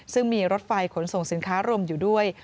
ซึ่งมีรถไฟขนส่งสินค้ารวมอยู่ด้วย